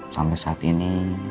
sampai saat ini